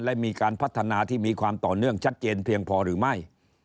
และมีการพัฒนาที่มีความต่อเนื่องชัดเจนเพียงพอหรือไม่